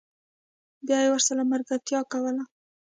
بیا یې ورسره ملګرتیا کوله